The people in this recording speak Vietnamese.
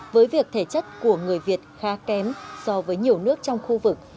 với việc thể chất của người việt khá kém so với nhiều nước trong khu vực